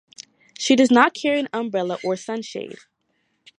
She does not carry an umbrella or sunshade.